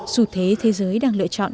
dù thế thế giới đang lựa chọn